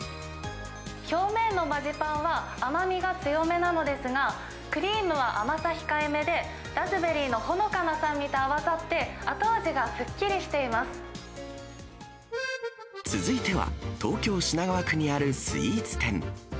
表面のマジパンは甘みが強めなのですが、クリームは甘さ控えめで、ラズベリーのほのかな酸味と合わさって、続いては、東京・品川区にあるスイーツ店。